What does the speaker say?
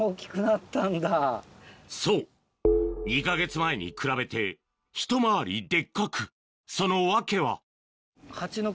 そう２か月前に比べてひと回りデッカくその訳は？